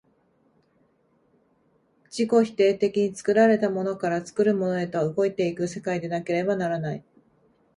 自己否定的に作られたものから作るものへと動いて行く世界でなければならない。